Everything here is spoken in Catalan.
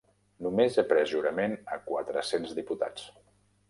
Només he pres jurament a quatre cents diputats.